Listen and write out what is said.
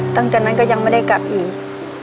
ตั้งแต่นั้นก็ยังไม่ได้กลับอีก